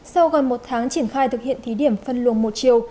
sau gần một tháng triển khai thực hiện thí điểm phân luồng một chiều